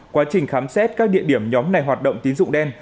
quá trình khám xét các địa điểm nhóm này hoạt động tín dụng đen